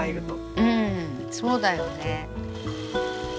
うんそうだよね。